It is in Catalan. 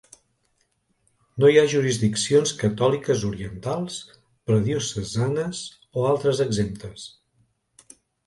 No hi ha jurisdiccions catòliques orientals, pre-diocesanes o altres exemptes.